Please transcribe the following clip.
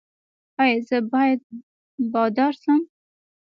ایا زه باید بادار شم؟